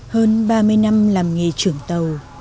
hơn ba mươi năm làm nghề trưởng tàu